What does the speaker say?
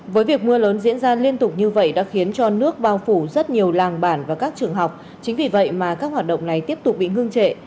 với việc mưa lớn diễn ra liên tục như vậy đã khiến cho nước bao phủ rất nhiều làng bản và các trường học chính vì vậy mà các hoạt động này tiếp tục bị ngưng trệ